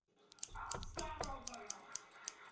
Při této činnosti byl na československém území poprvé sledován.